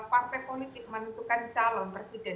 partai politik menentukan calon presiden